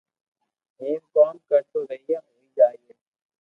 ايم ڪوم ڪرتو رھييي ھوئي جائي